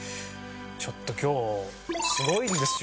ちょっと今日すごいんですよ